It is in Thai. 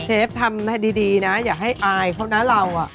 เชฟทำให้ดีนะอย่าให้อายเขานะเรา